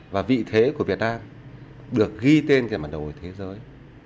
và vị thế của việt nam được ghi tên trên mặt đầu của thế giới